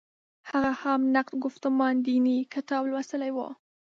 هغه هم «نقد ګفتمان دیني» کتاب لوستلی و.